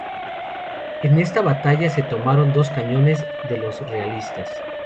En esta batalla se tomaron dos cañones de los realistas.